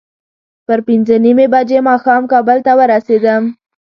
پر پینځه نیمې بجې ماښام کابل ته ورسېدم.